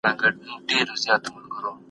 که پلان وي نو کار نه خرابیږي.